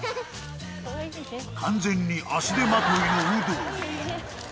完全に足手まといの有働。